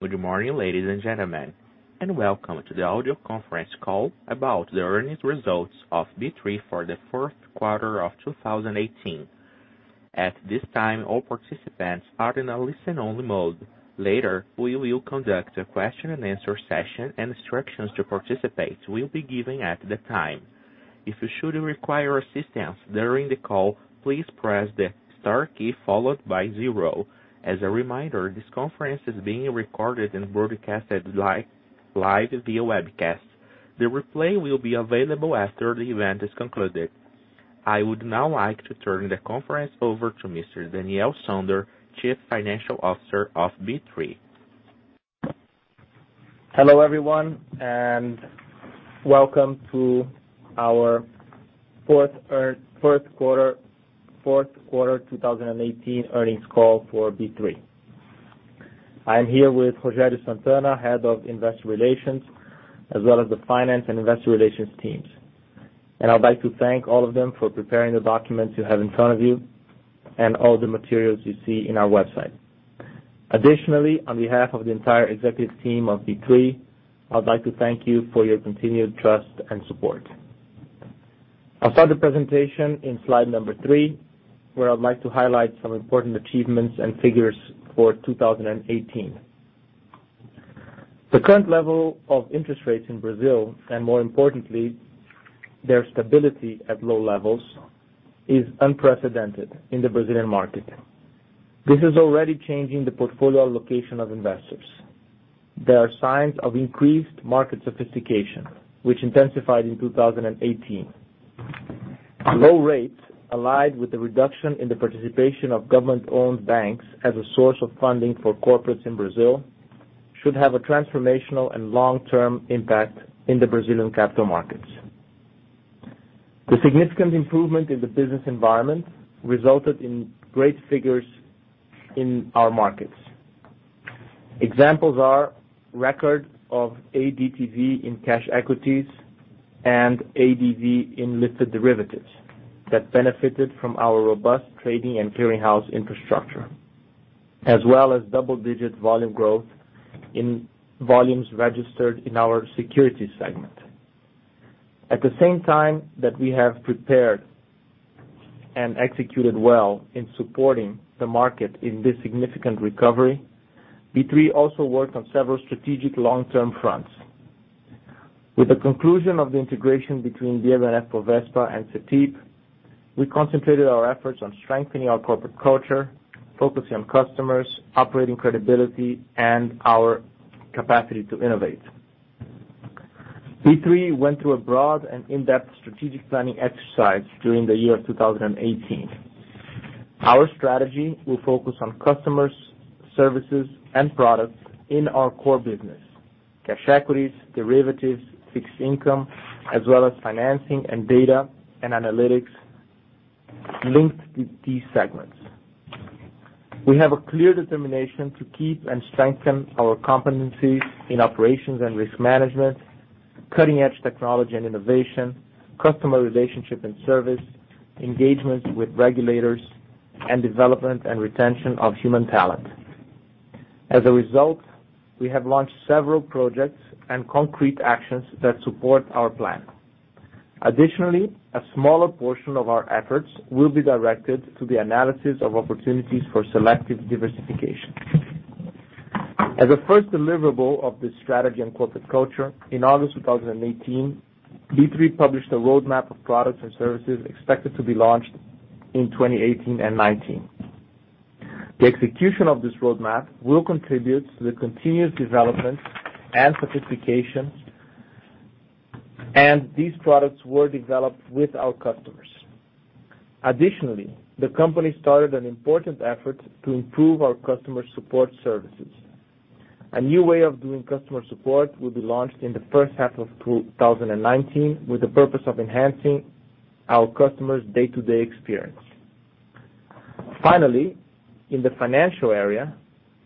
Good morning, ladies and gentlemen, welcome to the audio conference call about the earnings results of B3 for the fourth quarter of 2018. At this time, all participants are in a listen-only mode. Later, we will conduct a question and answer session, and instructions to participate will be given at the time. If you should require assistance during the call, please press the star key followed by zero. As a reminder, this conference is being recorded and broadcasted live via webcast. The replay will be available after the event is concluded. I would now like to turn the conference over to Mr. Daniel Sonder, Chief Financial Officer of B3. Hello, everyone, and welcome to our fourth quarter 2018 earnings call for B3. I am here with Rogério Santana, Head of Investor Relations, as well as the finance and investor relations teams. I'd like to thank all of them for preparing the documents you have in front of you and all the materials you see in our website. Additionally, on behalf of the entire executive team of B3, I'd like to thank you for your continued trust and support. I'll start the presentation on slide number three, where I'd like to highlight some important achievements and figures for 2018. The current level of interest rates in Brazil, and more importantly, their stability at low levels, is unprecedented in the Brazilian market. This is already changing the portfolio allocation of investors. There are signs of increased market sophistication, which intensified in 2018. Low rates, allied with the reduction in the participation of government-owned banks as a source of funding for corporates in Brazil, should have a transformational and long-term impact in the Brazilian capital markets. The significant improvement in the business environment resulted in great figures in our markets. Examples are record of ADTV in cash equities and ADV in Listed derivatives that benefited from our robust trading and clearing house infrastructure. As well as double-digit volume growth in volumes registered in our securities segment. At the same time that we have prepared and executed well in supporting the market in this significant recovery, B3 also worked on several strategic long-term fronts. With the conclusion of the integration between BM&FBovespa and Cetip, we concentrated our efforts on strengthening our corporate culture, focusing on customers, operating credibility, and our capacity to innovate. B3 went through a broad and in-depth strategic planning exercise during the year of 2018. Our strategy will focus on customers, services, and products in our core business, cash equities, derivatives, fixed income, as well as financing and data and analytics linked with these segments. We have a clear determination to keep and strengthen our competencies in operations and risk management, cutting-edge technology and innovation, customer relationship and service, engagement with regulators, and development and retention of human talent. As a result, we have launched several projects and concrete actions that support our plan. Additionally, a smaller portion of our efforts will be directed to the analysis of opportunities for selective diversification. As a first deliverable of this strategy and corporate culture, in August 2018, B3 published a roadmap of products and services expected to be launched in 2018 and 2019. The execution of this roadmap will contribute to the continuous development and sophistication. These products were developed with our customers. Additionally, the company started an important effort to improve our customer support services. A new way of doing customer support will be launched in the first half of 2019 with the purpose of enhancing our customers' day-to-day experience. Finally, in the financial area,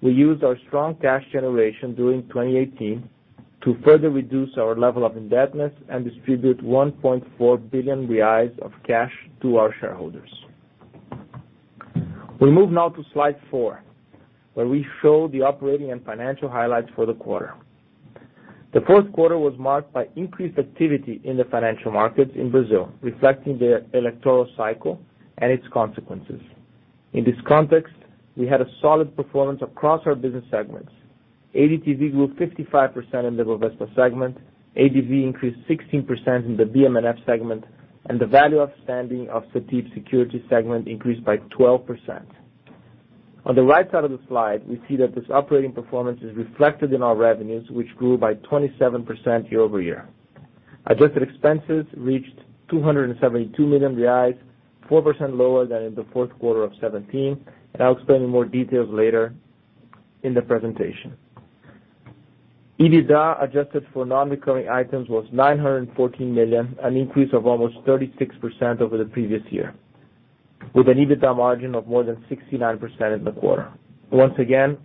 we used our strong cash generation during 2018 to further reduce our level of indebtedness and distribute 1.4 billion reais of cash to our shareholders. We move now to slide four, where we show the operating and financial highlights for the quarter. The fourth quarter was marked by increased activity in the financial markets in Brazil, reflecting the electoral cycle and its consequences. In this context, we had a solid performance across our business segments. ADTV grew 55% in the Bovespa segment. ADV increased 16% in the BM&F segment. The value outstanding of Cetip Securities segment increased by 12%. On the right side of the slide, we see that this operating performance is reflected in our revenues, which grew by 27% year-over-year. Adjusted expenses reached 272 million reais, 4% lower than in the fourth quarter of 2017. I'll explain in more details later in the presentation. EBITDA adjusted for non-recurring items was 914 million, an increase of almost 36% over the previous year with an EBITDA margin of more than 69% in the quarter. Once again,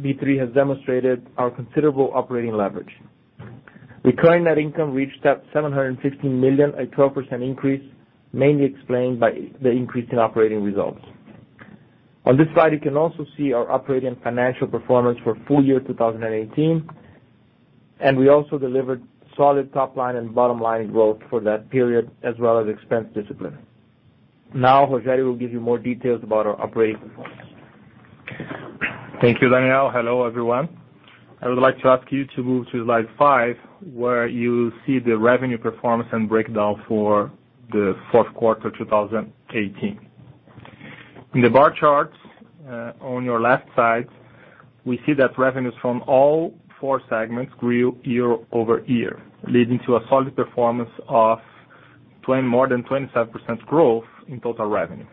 B3 has demonstrated our considerable operating leverage. Recurring net income reached up 715 million, a 12% increase, mainly explained by the increase in operating results. On this slide, you can also see our operating financial performance for full year 2018. We also delivered solid top line and bottom line growth for that period, as well as expense discipline. Now, Rogério will give you more details about our operating performance. Thank you, Daniel. Hello, everyone. I would like to ask you to move to slide five, where you see the revenue performance and breakdown for the fourth quarter 2018. In the bar charts on your left side, we see that revenues from all four segments grew year-over-year, leading to a solid performance of more than 27% growth in total revenue.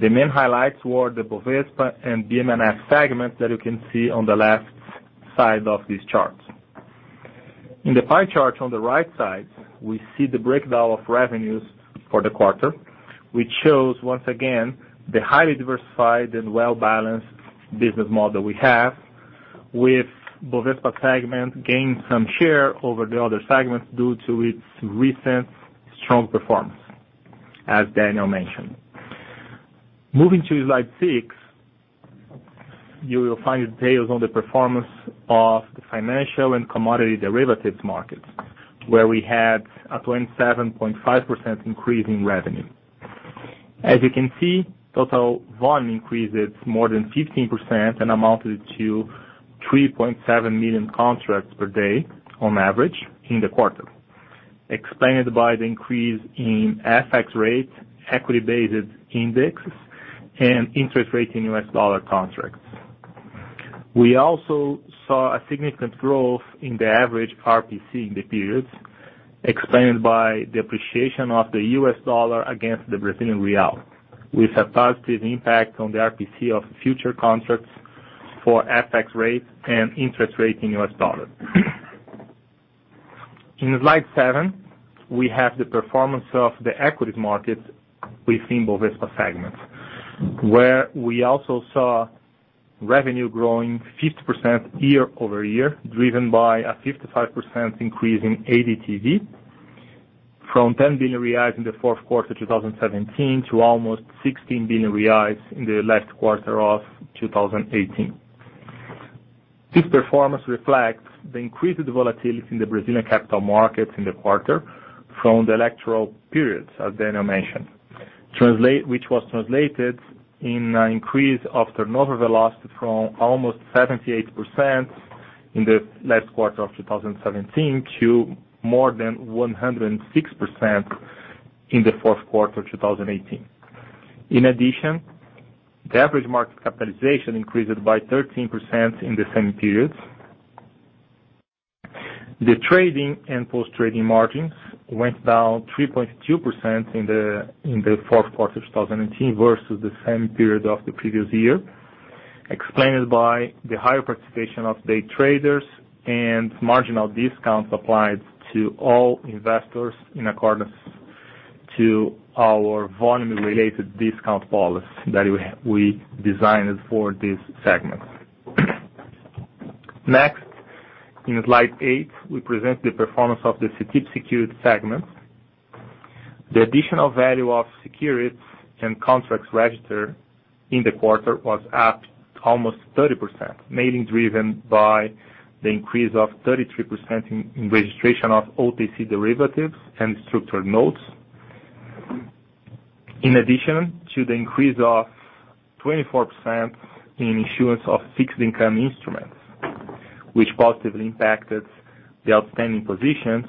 The main highlights were the Bovespa and BM&F segments that you can see on the left side of this chart. In the pie chart on the right side, we see the breakdown of revenues for the quarter, which shows, once again, the highly diversified and well-balanced business model we have with Bovespa segment gaining some share over the other segments due to its recent strong performance, as Daniel mentioned. Moving to slide six, you will find details on the performance of the financial and commodity derivatives markets, where we had a 27.5% increase in revenue. As you can see, total volume increases more than 15% and amounted to 3.7 million contracts per day on average in the quarter, explained by the increase in FX rate, equity-based index, and interest rate in US dollar contracts. We also saw a significant growth in the average RPC in the periods, explained by the appreciation of the US dollar against the Brazilian real, with a positive impact on the RPC of future contracts for FX rate and interest rate in US dollar. In slide seven, we have the performance of the equities market within Bovespa segments, where we also saw revenue growing 50% year-over-year, driven by a 55% increase in ADTV from 10 billion reais in the fourth quarter 2017 to almost 16 billion reais in the last quarter of 2018. This performance reflects the increased volatility in the Brazilian capital markets in the quarter from the electoral periods, as Daniel mentioned, which was translated in an increase of turnover velocity from almost 78% in the last quarter of 2017 to more than 106% in the fourth quarter 2018. In addition, the average market capitalization increased by 13% in the same periods. The trading and post-trading margins went down 3.2% in the fourth quarter 2018 versus the same period of the previous year, explained by the higher participation of day traders and marginal discounts applied to all investors in accordance to our volume-related discount policy that we designed for this segment. Next, in slide eight, we present the performance of the Cetip Securities segment. The additional value of securities and contracts registered in the quarter was up almost 30%, mainly driven by the increase of 33% in registration of OTC derivatives and structured notes. In addition to the increase of 24% in issuance of fixed income instruments, which positively impacted the outstanding positions,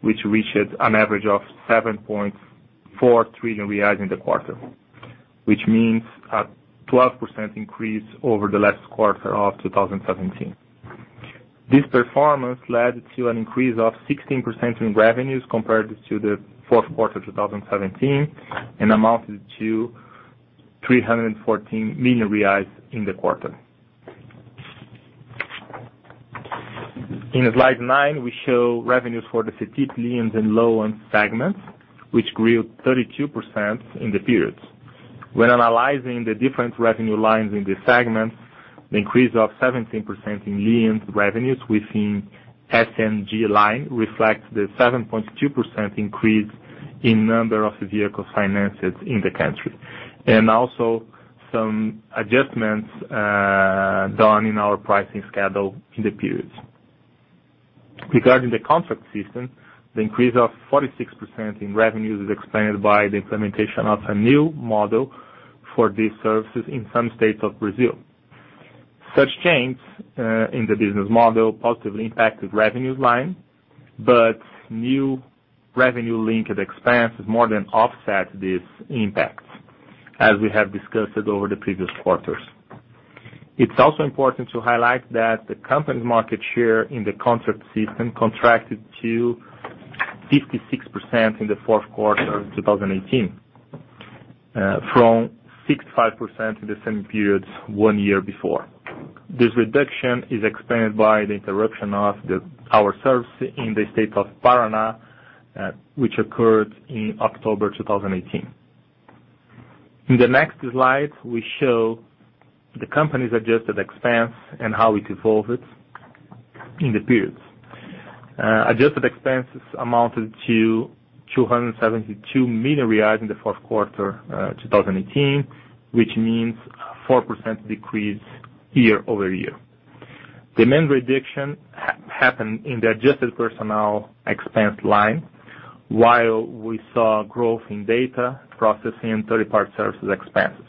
which reached an average of 7.4 trillion reais in the quarter, which means a 12% increase over the last quarter of 2017. This performance led to an increase of 16% in revenues compared to the fourth quarter 2017 and amounted to 314 million reais in the quarter. In slide nine, we show revenues for the Cetip Liens and Loans segment, which grew 32% in the period. When analyzing the different revenue lines in this segment, the increase of 17% in leases revenues within SNG line reflects the 7.2% increase in number of vehicle finances in the country, and also some adjustments done in our pricing schedule in the periods. Regarding the contract system, the increase of 46% in revenues is explained by the implementation of a new model for these services in some states of Brazil. New revenue-linked expense has more than offset this impact, as we have discussed over the previous quarters. It's also important to highlight that the company's market share in the contract system contracted to 56% in the fourth quarter 2018, from 65% in the same periods one year before. This reduction is explained by the interruption of our service in the state of Paraná, which occurred in October 2018. In the next slide, we show the company's adjusted expense and how it evolved in the periods. Adjusted expenses amounted to 272 million in the fourth quarter 2018, which means 4% decrease year-over-year. The main reduction happened in the adjusted personnel expense line, while we saw growth in data processing and third-party services expenses.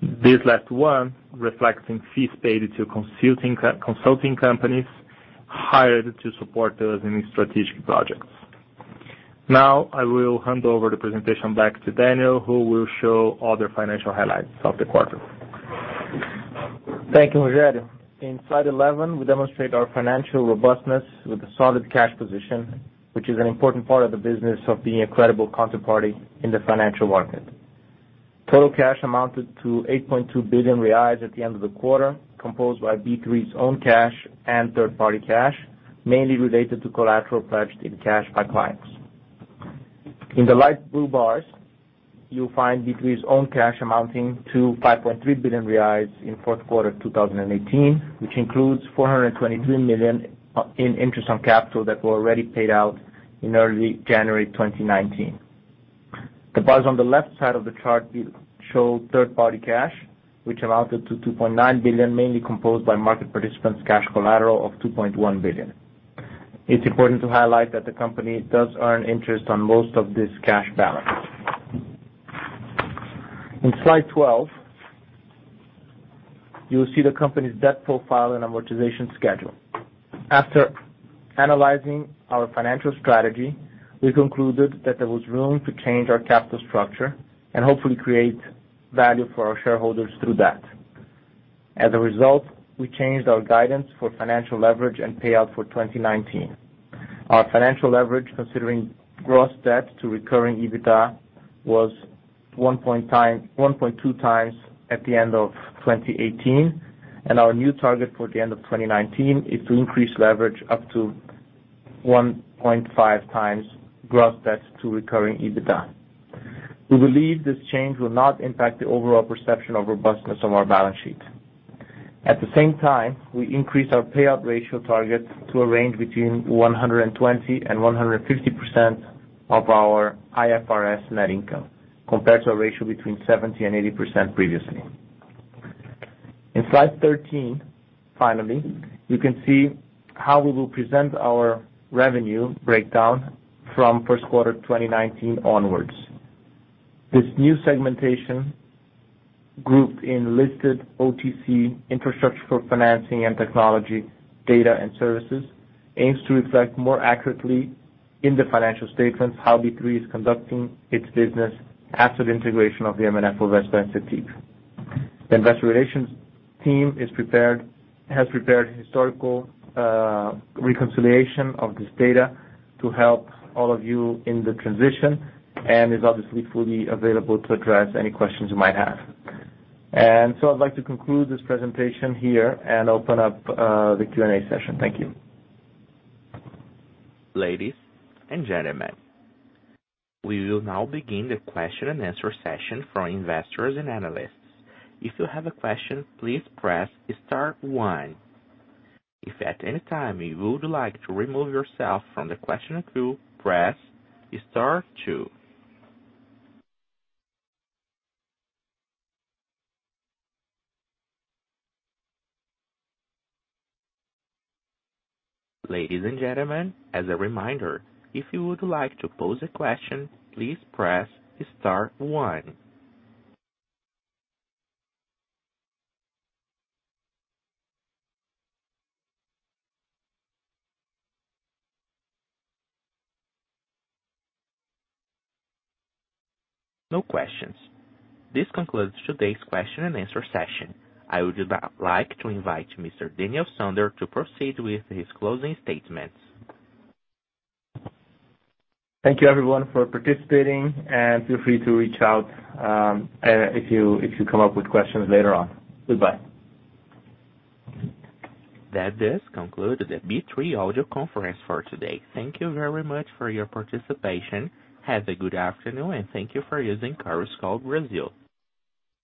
This last one reflecting fees paid to consulting companies hired to support us in strategic projects. Now, I will hand over the presentation back to Daniel, who will show other financial highlights of the quarter. Thank you, Rogério. In slide 11, we demonstrate our financial robustness with a solid cash position, which is an important part of the business of being a credible counterparty in the financial market. Total cash amounted to 8.2 billion reais at the end of the quarter, composed by B3's own cash and third-party cash, mainly related to collateral pledged in cash by clients. In the light blue bars, you'll find B3's own cash amounting to 5.3 billion reais in fourth quarter 2018, which includes 423 million in interest on capital that were already paid out in early January 2019. The bars on the left side of the chart show third-party cash, which amounted to 2.9 billion, mainly composed by market participants' cash collateral of 2.1 billion. It's important to highlight that the company does earn interest on most of this cash balance. In slide 12, you will see the company's debt profile and amortization schedule. After analyzing our financial strategy, we concluded that there was room to change our capital structure and hopefully create value for our shareholders through that. As a result, we changed our guidance for financial leverage and payout for 2019. Our financial leverage, considering gross debt to recurring EBITDA, was 1.2 times at the end of 2018, and our new target for the end of 2019 is to increase leverage up to 1.5 times gross debt to recurring EBITDA. We believe this change will not impact the overall perception of robustness of our balance sheet. At the same time, we increased our payout ratio target to a range between 120%-150% of our IFRS net income, compared to a ratio between 70%-80% previously. In slide 13, finally, you can see how we will present our revenue breakdown from first quarter 2019 onwards. This new segmentation, grouped in Listed, OTC, Infrastructure for Financing & Technology, Data and Services, aims to reflect more accurately in the financial statements how B3 is conducting its business after the integration of the BM&F and Cetip. The investor relations team has prepared a historical reconciliation of this data to help all of you in the transition and is obviously fully available to address any questions you might have. I'd like to conclude this presentation here and open up the Q&A session. Thank you. Ladies and gentlemen, we will now begin the question and answer session for investors and analysts. If you have a question, please press star one. If at any time you would like to remove yourself from the question queue, press star two. Ladies and gentlemen, as a reminder, if you would like to pose a question, please press star one. No questions. This concludes today's question and answer session. I would now like to invite Mr. Daniel Sonder to proceed with his closing statements. Thank you everyone for participating, and feel free to reach out if you come up with questions later on. Goodbye. That does conclude the B3 audio conference for today. Thank you very much for your participation. Have a good afternoon, and thank you for using Chorus Call Brazil.